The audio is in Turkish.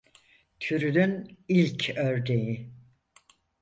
Türünün ilk örneği.